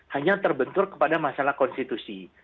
hanya terbentur kepada masalah konstitusi